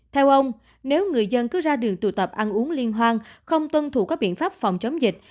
theo ông nếu người dân cứ ra đường tụ tập ăn uống liên hoan không tuân thủ các biện pháp phòng chống dịch